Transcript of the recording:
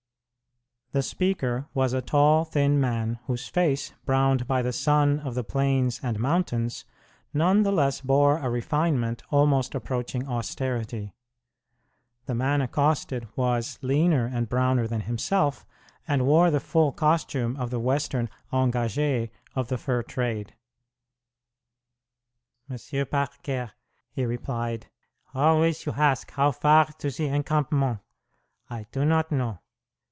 The speaker was a tall, thin man, whose face, browned by the sun of the plains and mountains, none the less bore a refinement almost approaching austerity. The man accosted was leaner and browner than himself, and wore the full costume of the Western engage of the fur trade. "M'sieu' Parker," he replied, "halways you hask how far to ze hencampment. I do not know.